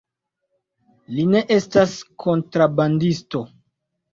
Li ne estas kontrabandisto.